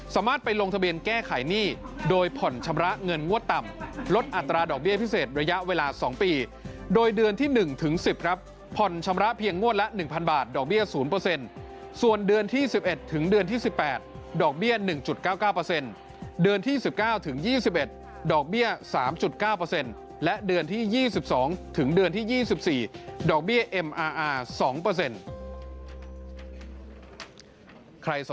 สามารถไปลงทะเบียนแก้ขายหนี้โดยผ่อนชำระเงินงวดต่ำลดอัตราดอกเบี้ยพิเศษระยะเวลาสองปีโดยเดือนที่หนึ่งถึงสิบครับผ่อนชำระเพียงงวดละหนึ่งพันบาทดอกเบี้ยศูนย์เปอร์เซ็นต์ส่วนเดือนที่สิบเอ็ดถึงเดือนที่สิบแปดดอกเบี้ยหนึ่งจุดเก้าเก้าเปอร์เซ็นต์เดือนที่สิบเก้าถึงยี่สิบเอ็